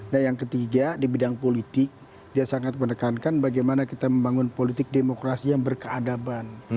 nah yang ketiga di bidang politik dia sangat menekankan bagaimana kita membangun politik demokrasi yang berkeadaban